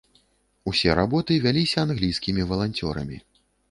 Усе работы вяліся англійскімі валанцёрамі.